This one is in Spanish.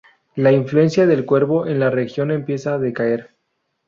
La influencia del Cuervo en la región empieza a decaer".